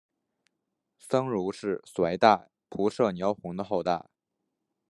僧孺是隋代仆射牛弘的后代。